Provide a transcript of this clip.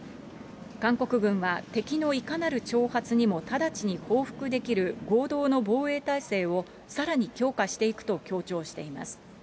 韓国軍は、敵のいかなる挑発にも直ちに報復できる合同の防衛態勢をさらに強化していくと強調しています。